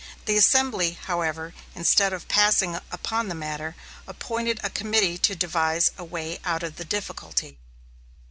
The assembly, however, instead of passing upon the matter, appointed a committee to devise a way out of the difficulty.